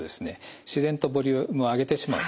自然とボリュームを上げてしまうんですね。